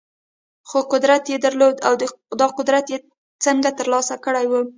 خو قدرت يې درلود او دا قدرت يې څنګه ترلاسه کړی و؟